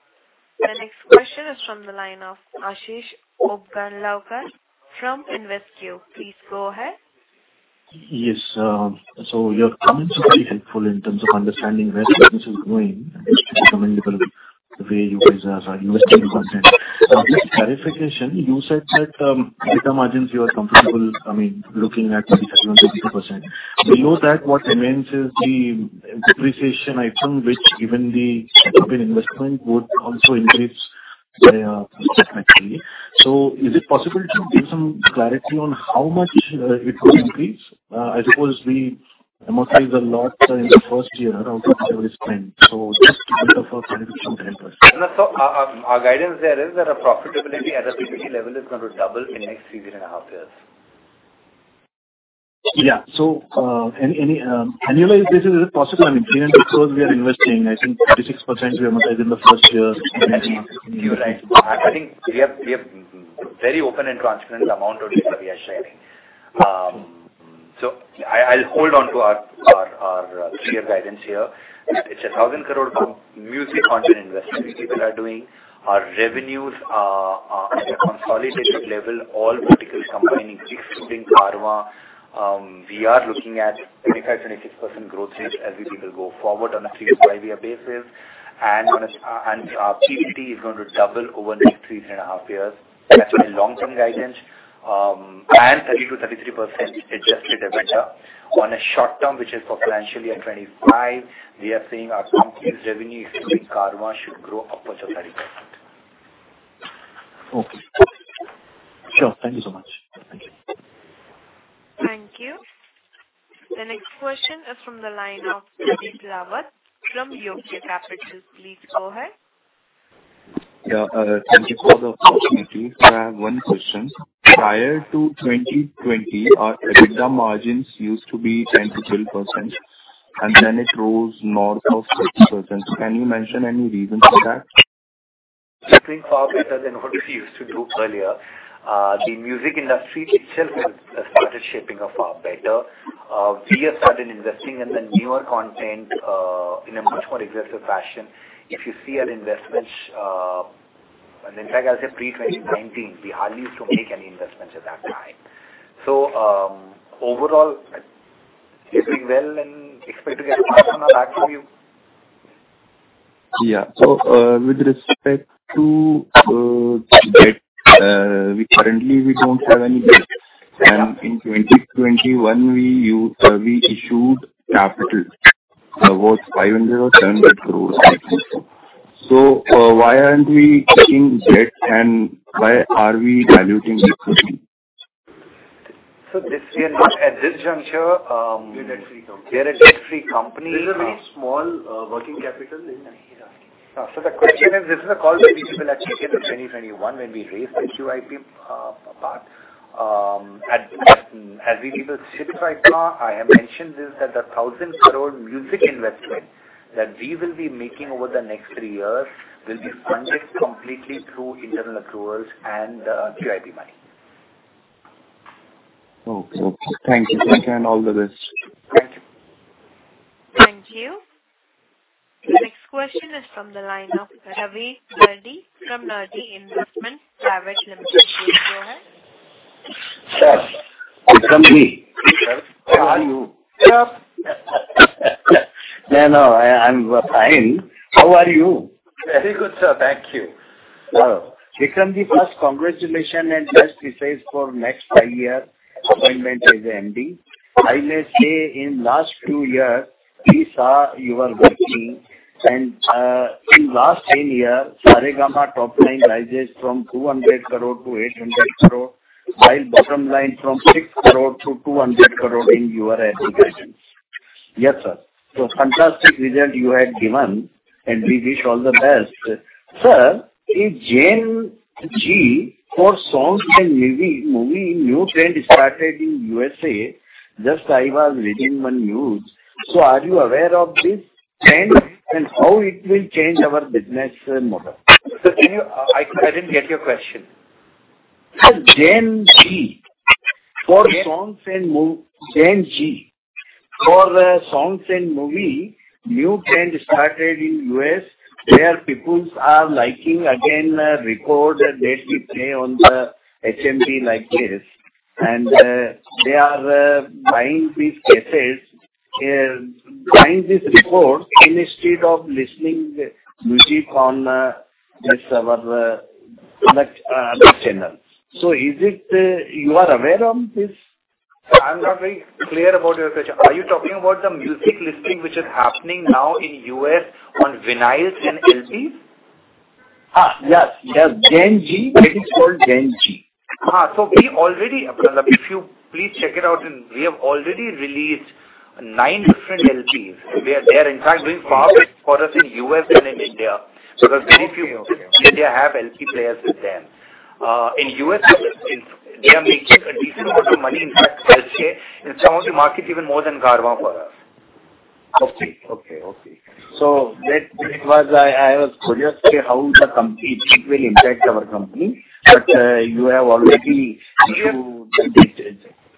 The next question is from the line of Ashish Upganlawar from InvesQ Investment Advisors. Please go ahead. Yes, so your comments are very helpful in terms of understanding where business is going and it's commendable the way you guys are investing in content. Just clarification, you said that, EBITDA margins, you are comfortable, I mean, looking at 27%-22%. Below that, what remains is the depreciation item, which given the type of investment would also increase by significantly. So is it possible to give some clarity on how much it will increase? I suppose we amortize a lot in the first year out of every spend. So just to get a first indication kind of person. No, so our guidance there is that our profitability at a PBT level is going to double in next three years and a half years. Yeah. So, annualize this, is it possible? I mean, 300 crore we are investing, I think 36% we amortize in the first year. You're right. I think we have very open and transparent amount only that we are sharing. So I, I'll hold on to our three-year guidance here. It's 1,000 crore music content investment people are doing. Our revenues are at a consolidated level, all verticals combining, excluding Carvaan. We are looking at 25%-26% growth rate as we people go forward on a 3-5-year basis. And on a, and, PBT is going to double over the next 3-3.5 years. That's my long-term guidance, and 30%-33% adjusted EBITDA. On a short term, which is for FY25, we are saying our company's revenue, including Carvaan, should grow upwards of 30%. Okay. Sure. Thank you so much. Thank you. Thank you. The next question is from the line of Pradeep Rawat from UK Capital. Please go ahead. Yeah, thank you for the opportunity. I have one question. Prior to 2020, our EBITDA margins used to be 10%-12%, and then it rose north of 60%. Can you mention any reason for that? It's doing far better than what we used to do earlier. The music industry itself has started shaping up far better. We have started investing in the newer content in a much more aggressive fashion. If you see our investments... And in fact, I'll say pre-2019, we hardly used to make any investments at that time. So, overall, it's doing well and expect to get better on that view. Yeah. So, with respect to debt, we currently don't have any debt. And in 2021, we issued capital, about 500-700 crore. So, why aren't we taking debt, and why are we diluting equity? So this year, not at this juncture— We're a debt-free company. We are a debt-free company. There's a very small working capital in here. So the question is, this is a call which we will achieve in 2021, when we raise the QIP part. As we people sit right now, I have mentioned this, that the 1,000 crore music investment that we will be making over the next 3 years will be funded completely through internal accruals and QIP money. Okay. Thank you, and all the best. Thank you. Thank you. The next question is from the line of Ravi Naredi from Naredi Investments. Please go ahead. Sir, it's me. Sir. How are you? Yeah. No, no, I, I'm fine. How are you? Very good, sir. Thank you. Vikram Ji, first, congratulations and best wishes for next five-year appointment as a MD. I may say in last two years, we saw you are working, and, in last 10 years, Saregama top line rises from 200 crore to 800 crore, while bottom line from 6 crore to 200 crore in your acquisition. Yes, sir. So fantastic result you have given, and we wish all the best. Sir, in Gen Z, for songs and movie, movie, new trend started in USA. Just I was reading one news. So are you aware of this trend, and how it will change our business model? Sir, can you... I didn't get your question. Sir, for songs and movie, new trend started in U.S., where people are liking again records that they should play on the HMD like this. And they are buying these cases, buying this record instead of listening music on this our like channel. So, are you aware of this? Sir, I'm not very clear about your question. Are you talking about the music listening, which is happening now in U.S. on vinyls and LPs? Ah, yes, yes. Gen Z. It is called Gen Z. So we already—if you please check it out, and we have already released 9 different LPs, where they are, in fact, doing far better for us in U.S. than in India, because very few Indians have LP players with them. In U.S., they are making a decent amount of money in that space. It's going to market even more than Carvaan for us. Okay, okay, okay. So I was curious to hear how the company will impact our company, but you have already-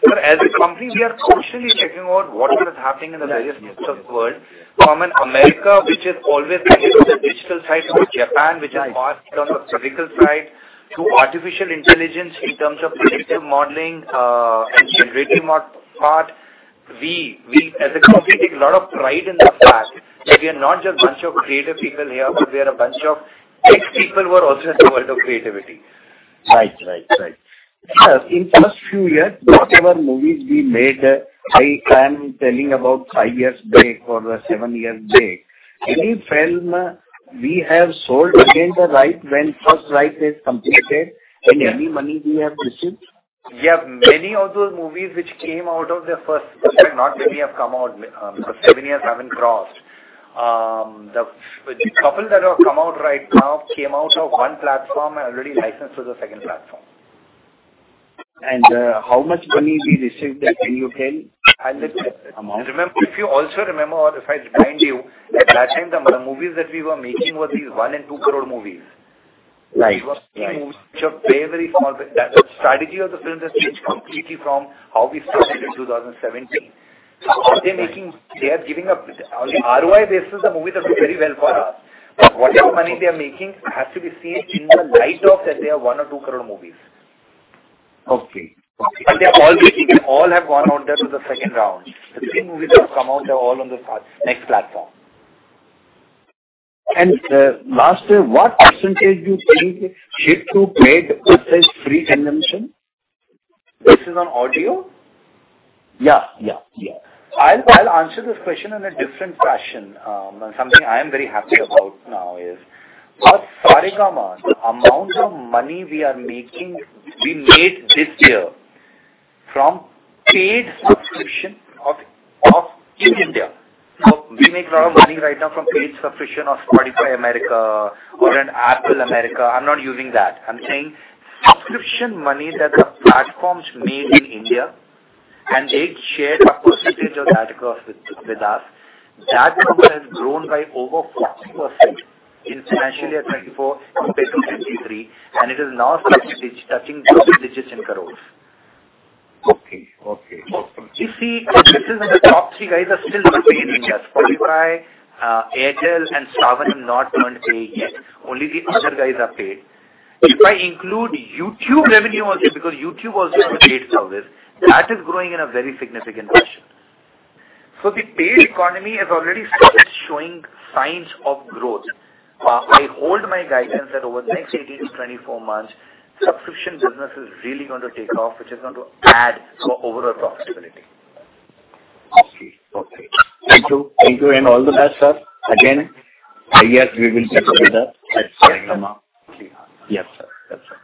Sir, as a company, we are constantly checking out what is happening in the various parts of world. From America, which is always ahead of the digital side, from Japan, which is fast in terms of physical side, to artificial intelligence in terms of predictive modeling, and generative modeling. We as a company take a lot of pride in the fact that we are not just a bunch of creative people here, but we are a bunch of tech people who are also in the world of creativity. Right, right, right. Sir, in first few years, whatever movies we made, I am telling about 5 years break or 7 years break, any film we have sold again the right when first right is completed? Yeah. Any money we have received? Yeah, many of those movies which came out of the first, not many have come out, seven years haven't crossed. The couple that have come out right now came out of one platform and already licensed to the second platform. How much money we received? Can you tell the amount? Remember, if you also remember or if I remind you, at that time, the movies that we were making were these 1 crore and 2 crore movies. Right. They were very small. The strategy of the films has changed completely from how we started in 2017. So how they're making. They are giving up ROI basis, the movies have done very well for us, but whatever money they are making has to be seen in the light of that they are 1-2 crore movies. Okay. But they're all making, all have gone out there to the second round. The three movies that have come out, they're all on the next platform. Last, what percentage do you think shift to paid versus free television? This is on audio? Yeah, yeah, yeah. I'll answer this question in a different fashion. Something I am very happy about now is, for Saregama, the amount of money we are making, we made this year from paid subscription of, of in India. Now, we make a lot of money right now from paid subscription of Spotify America or an Apple America. I'm not using that. I'm saying subscription money that the platforms made in India, and they shared a percentage of that cost with, with us. That number has grown by over 40% in financial year 2024 compared to 2023, and it is now touching two digits in crores. Okay, okay. This is in the top three guys are still not paying us. Spotify, Airtel and Saavn not going to pay yet, only the other guys have paid. If I include YouTube revenue also, because YouTube also have a paid service, that is growing in a very significant fashion. So the paid economy is already showing signs of growth. I hold my guidance that over the next 18-24 months, subscription business is really going to take off, which is going to add to overall profitability. Okay. Thank you. Thank you, and all the best, sir. Again, yes, we will check with the, at Saregama. Yes, sir. That's right.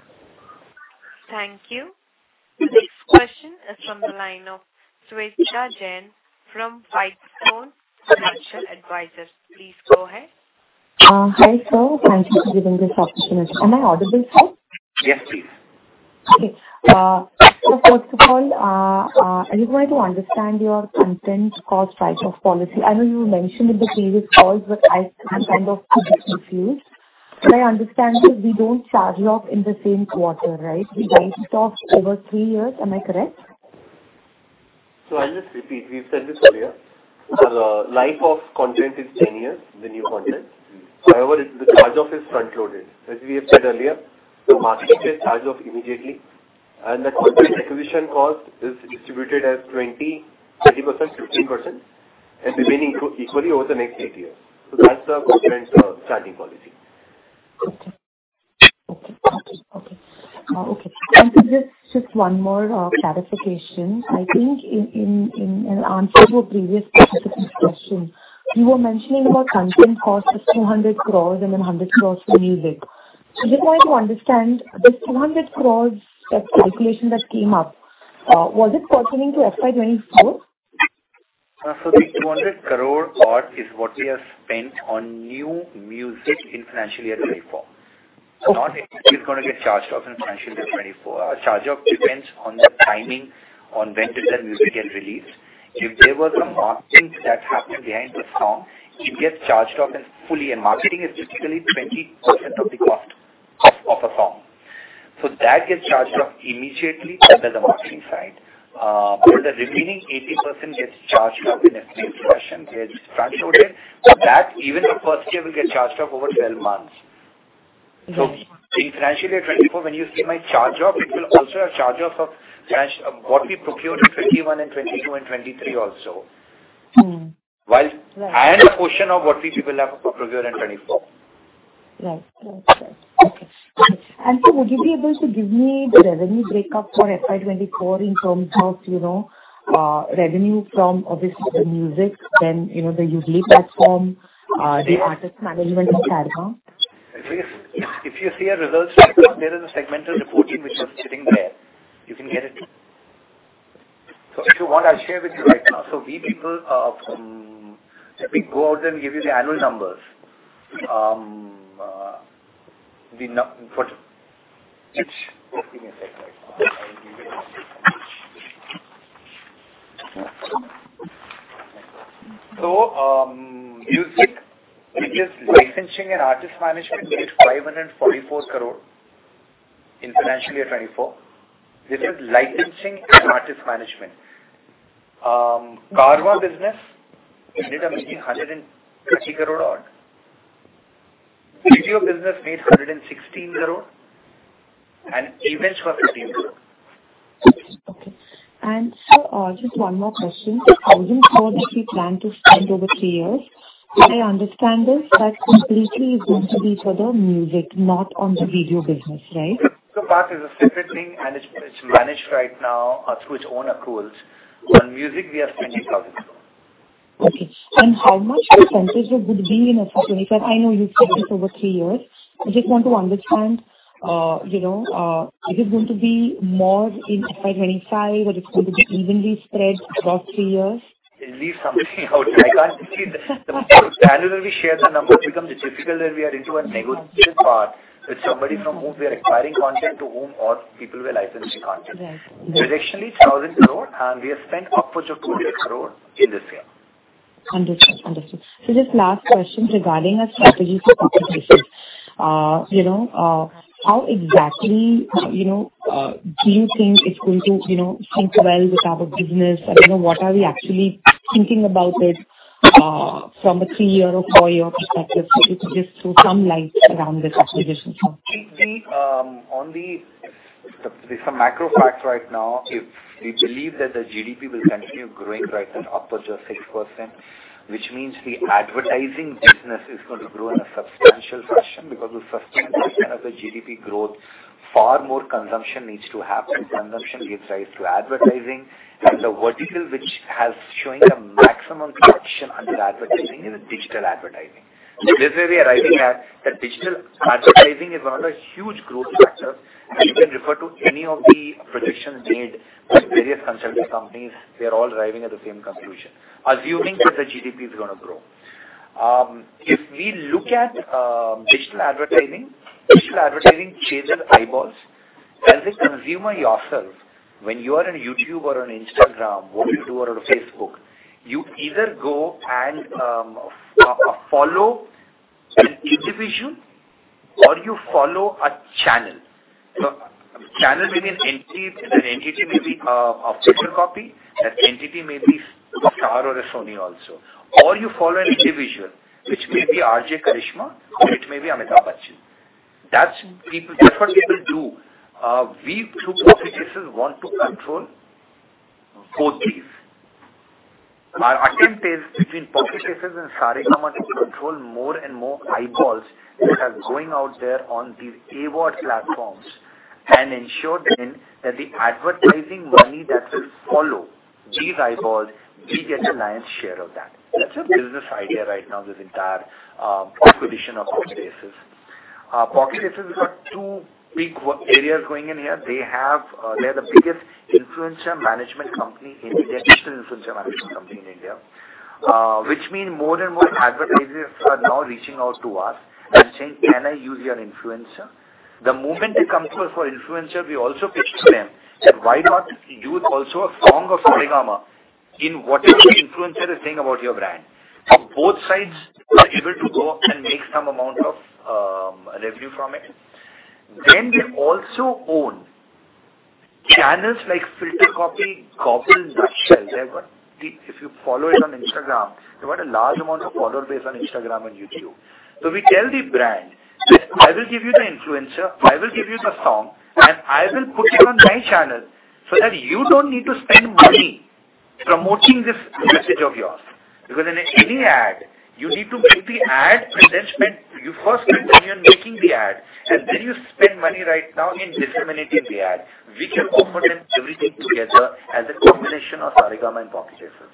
Thank you. The next question is from the line of Sweta Jain from Arihant Capital. Please go ahead. Hi, sir. Thank you for giving this opportunity. Am I audible, sir? Yes, please. Okay. So first of all, I just want to understand your content cost pricing policy. I know you mentioned in the previous calls, but I'm kind of still a bit confused. So I understand that we don't charge off in the same quarter, right? We charge it off over three years. Am I correct? I'll just repeat. We've said this earlier. The life of content is 10 years, the new content. However, the charge off is front-loaded. As we have said earlier, the market will charge off immediately, and the content acquisition cost is distributed as 20%, 30%, 15%, and remaining equally over the next 8 years. That's the content charging policy. Okay. Okay, okay. Okay. And so just, just one more clarification. I think in an answer to a previous participant's question, you were mentioning about content cost of 200 crore and then 100 crore for music. So just want to understand, this 200 crore, that calculation that came up, was it pertaining to FY 2024? So the 200 crore part is what we have spent on new music in financial year 2024. It's not going to get charged off in financial year 2024. Our charge-off depends on the timing, on when did that music get released. If there were some marketing that happened behind the song, it gets charged off and fully, and marketing is typically 20% of the cost of a song. So that gets charged off immediately under the marketing side, but the remaining 80% gets charged up in the next session, gets transported. So that even the first year will get charged off over 12 months. Mm-hmm. In financial year 2024, when you see my charge off, it will also have charge off of financial—what we procured in 2021 and 2022 and 2023 also. Mm-hmm. While- Right. A portion of what we people have procured in 2024. Right. Right. Right. Okay. And sir, would you be able to give me the revenue breakup for FY 2024 in terms of, you know, revenue from obviously the music, then, you know, the Yoodlee platform, the artist management of Carvaan? If you see our results, there is a segmental reporting which was sitting there, you can get it. If you want, I'll share with you right now. We people, let me go out and give you the annual numbers. Music, which is licensing and artist management, we did 544 crore in financial year 2024. This is licensing and artist management. Carvaan business did 130 crore odd. Video business made 116 crore, and events were 50 crore. Okay. And sir, just one more question. The 1,000 crore that you plan to spend over three years, I understand this, that completely is going to be for the music, not on the video business, right? The path is a separate thing, and it's, it's managed right now, through its own accruals. On music, we are spending 1,000 crore. Okay, and how much percentage of would it be in FY 25? I know you've said this over three years. I just want to understand, you know, is it going to be more in FY 25, or it's going to be evenly spread across three years? It leaves something out. I can't see. The minute we share the numbers, it becomes difficult that we are into a negotiation part with somebody from whom we are acquiring content, to whom or people we're licensing content. Right. Traditionally, 1,000 crore, and we have spent upwards of 200 crore in this year. Understood. Understood. Just last question regarding our strategy for Pocket Aces. You know, you know, do you think it's going to, you know, sync well with our business? I don't know, what are we actually thinking about it, from a three-year or four-year perspective? If you could just throw some light around this acquisition. There's some macro facts right now. If we believe that the GDP will continue growing right at upwards of 6%, which means the advertising business is going to grow in a substantial fashion, because of the substantial of the GDP growth, far more consumption needs to happen. Consumption gives rise to advertising, and the vertical which has showing the maximum growth under advertising is digital advertising. This way we are arriving at, that digital advertising is one of the huge growth structures, and you can refer to any of the predictions made by various consulting companies, they're all arriving at the same conclusion, assuming that the GDP is going to grow. If we look at, digital advertising, digital advertising chases eyeballs. As a consumer yourself, when you are on YouTube or on Instagram, or you do on Facebook, you either go and follow an individual or you follow a channel. So channel means entity, an entity may be a FilterCopy, that entity may be Star or a Sony also, or you follow an individual, which may be RJ Karishma, or it may be Amitabh Bachchan. That's what people do. We through Pocket Aces want to control both these. Our attempt is between Pocket Aces and Saregama to control more and more eyeballs that are going out there on the ad platforms, and ensure then, that the advertising money that will follow these eyeballs, we get the lion's share of that. That's our business idea right now, this entire acquisition of Pocket Aces. Pocket Aces has got two big work areas going in here. They have, they're the biggest influencer management company in India, digital influencer management company in India. Which means more and more advertisers are now reaching out to us and saying: "Can I use your influencer?" The moment they come to us for influencer, we also pitch to them that why not use also a song of Saregama in whatever your influencer is saying about your brand. So both sides are able to go and make some amount of revenue from it. Then we also own channels like FilterCopy, Gobble, Nutshell. They've got the... If you follow it on Instagram, they've got a large amount of follower base on Instagram and YouTube. So we tell the brand, "I will give you the influencer, I will give you the song, and I will put it on my channel, so that you don't need to spend money promoting this message of yours." Because in any ad, you need to make the ad, and then spend- you first spend money on making the ad, and then you spend money right now in disseminating the ad. We can complement everything together as a combination of Saregama and Pocket Aces.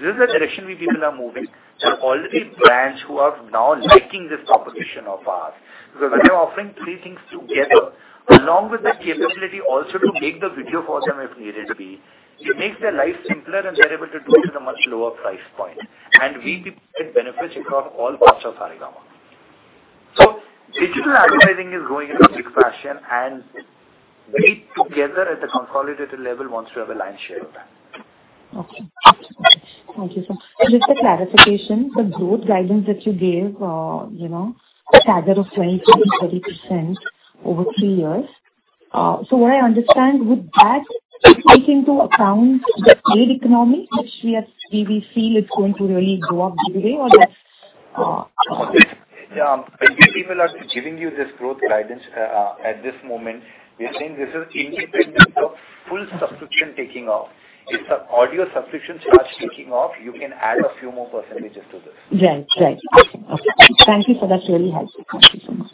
This is the direction we people are moving. There are already brands who are now liking this proposition of ours, because we are offering three things together, along with the capability also to make the video for them if needed be. It makes their life simpler, and they're able to do it at a much lower price point, and we get benefits across all parts of Saregama. Digital advertising is growing in a big fashion, and we together at the consolidated level want to have a lion's share of that. Okay. Thank you, sir. Just a clarification, the growth guidance that you gave, you know, a CAGR of 20%-30% over three years. So what I understand, with that, take into account the paid economy, which we have—we feel it's going to really go up today or just, Yeah, when we people are giving you this growth guidance, at this moment, we are saying this is independent of full subscription taking off. If the audio subscription starts taking off, you can add a few more percentages to this. Right. Right. Okay. Thank you, sir. That's really helpful. Thank you so much.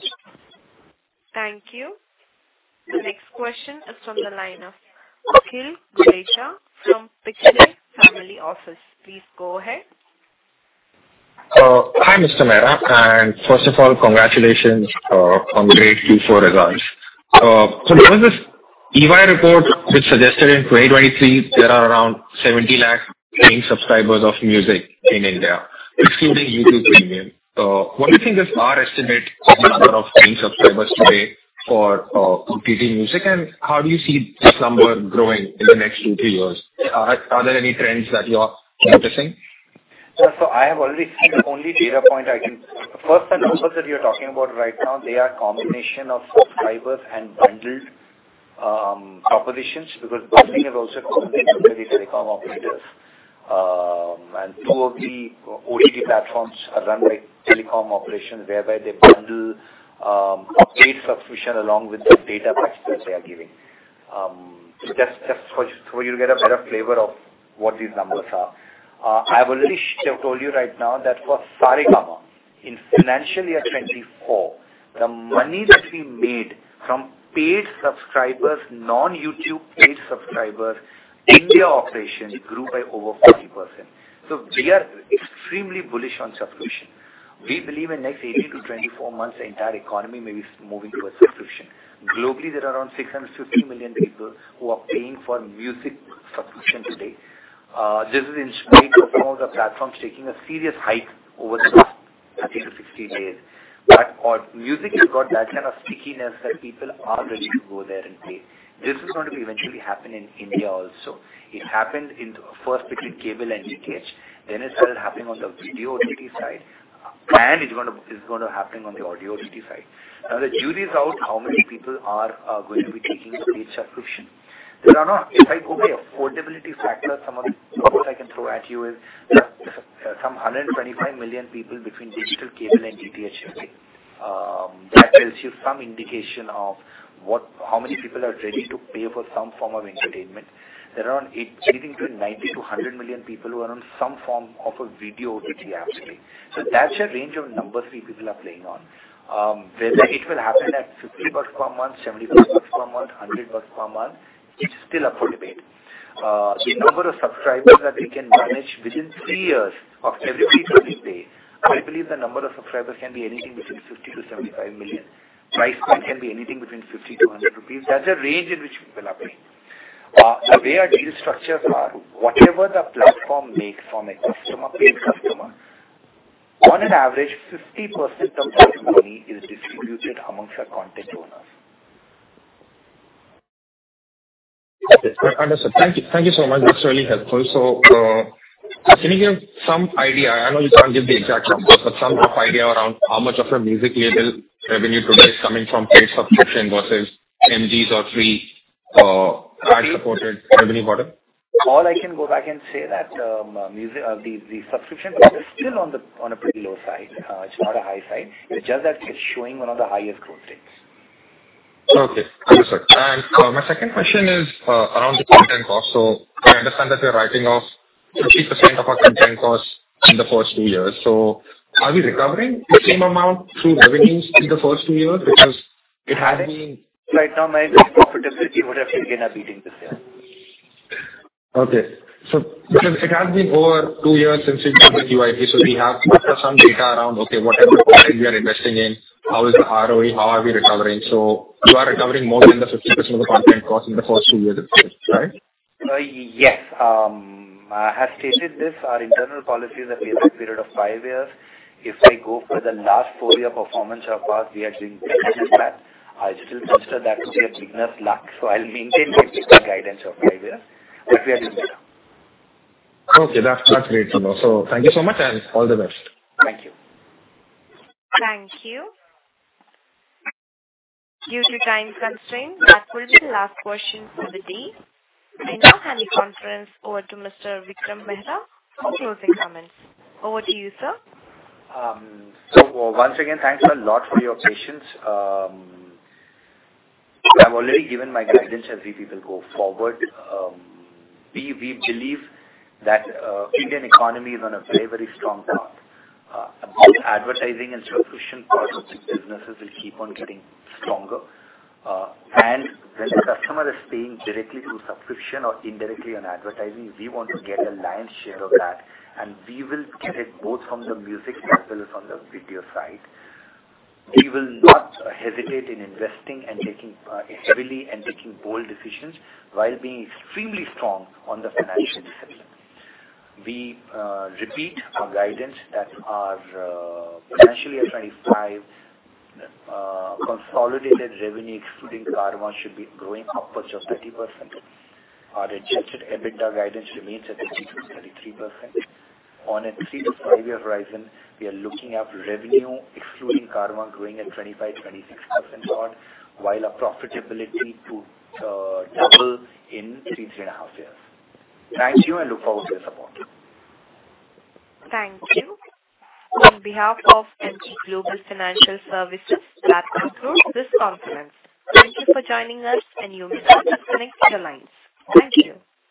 Thank you. The next question is from the line of Akhil Dhedia from Pacholi Family Office. Please go ahead. Hi, Mr. Mehra, and first of all, congratulations on the great Q4 results. There was this EY report which suggested in 2023 there are around 70 lakh paying subscribers of music in India, excluding YouTube Premium. What do you think is our estimate of the number of paying subscribers today for competing music, and how do you see this number growing in the next 2-3 years? Are there any trends that you are noticing? Yeah, so I have already seen the only data point I can. First, the numbers that you're talking about right now, they are a combination of subscribers and bundled propositions, because Disney have also partnered with the telecom operators. And two of the OTT platforms are run by telecom operations, whereby they bundle a paid subscription along with the data packs that they are giving. So that's, just for you to get a better flavor of what these numbers are. I've already told you right now that for Saregama, in financial year 2024, the money that we made from paid subscribers, non-YouTube paid subscribers, India operations grew by over 40%. So we are extremely bullish on subscription. We believe in next 18-24 months, the entire economy may be moving towards subscription. Globally, there are around 650 million people who are paying for music subscription today. This is in spite of some of the platforms taking a serious hike over the last 30-60 days. But our music has got that kind of stickiness that people are ready to go there and pay. This is going to be eventually happen in India also. It happened first between cable and DTH, then it started happening on the video OTT side, and it's gonna happen on the audio OTT side. Now, the jury is out, how many people are going to be taking paid subscription? There are not... If I go by affordability factor, some of the numbers I can throw at you is, some 125 million people between digital, cable and DTH, okay? That tells you some indication of what, how many people are ready to pay for some form of entertainment. There are around 80-90-100 million people who are on some form of a video OTT apps, okay? So that's the range of numbers we people are playing on. Whether it will happen at 50 bucks per month, 70 bucks per month, 100 bucks per month, it's still affordable. The number of subscribers that we can manage within 3 years of everybody paying, I believe the number of subscribers can be anything between 50-75 million. Price point can be anything between 50-100 rupees. That's the range in which people are paying. The way our deal structures are, whatever the platform makes from a customer, paid customer, on an average, 50% of that money is distributed amongst our content owners. Understood. Thank you. Thank you so much. That's really helpful. So, can you give some idea, I know you can't give the exact numbers, but some rough idea around how much of a music label revenue today is coming from paid subscription versus MGs or free, ad-supported revenue model? All I can go back and say that music, the subscription is still on a pretty low side. It's not a high side. It's just that it's showing one of the highest growth rates. Okay, understood. And, my second question is, around the content cost. So I understand that we're writing off 50% of our content costs in the first two years. So are we recovering the same amount through revenues in the first two years? Because it had been- Right now, my profitability would have begun beating this year. Okay. So because it has been over two years since we did the QIP, so we have some data around, okay, what are the projects we are investing in? How is the ROE? How are we recovering? So you are recovering more than the 50% of the content cost in the first two years, right? Yes. I have stated this, our internal policy is a payback period of five years. If I go for the last four-year performance of us, we are doing better than that. I still consider that to be a beginner's luck, so I'll maintain my guidance of five years, but we are doing better. Okay, that's great to know. Thank you so much and all the best. Thank you. Thank you. Due to time constraints, that will be the last question for the day. I now hand the conference over to Mr. Vikram Mehra for closing comments. Over to you, sir. So once again, thanks a lot for your patience. I've already given my guidance as we people go forward. We believe that Indian economy is on a very, very strong path. Both advertising and subscription-based businesses will keep on getting stronger. And when the customer is paying directly through subscription or indirectly on advertising, we want to get a lion's share of that, and we will get it both from the music as well as from the video side. We will not hesitate in investing and taking heavily and taking bold decisions while being extremely strong on the financial discipline. We repeat our guidance that our financial year 2025 consolidated revenue excluding Carvaan should be growing upwards of 30%. Our adjusted EBITDA guidance remains at 30%-33%. On a 3-5-year horizon, we are looking at revenue excluding Carvaan, growing at 25-26% odd, while our profitability to double in 3-3.5 years. Thank you, and look forward to your support. Thank you. On behalf of Emkay Global Financial Services, that concludes this conference. Thank you for joining us and you may disconnect your lines. Thank you.